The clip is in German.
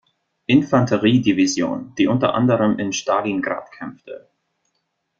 Infanterie-Division, die unter anderem in Stalingrad kämpfte.